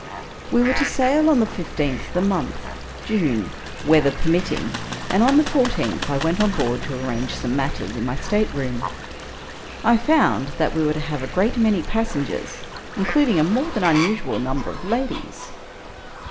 We were to sail on the fifteenth of the month (June), weather permitting; and on the fourteenth, I went on board to arrange some matters in my stateroom. I found that we were to have a great many passengers, including a more than usual number of ladies.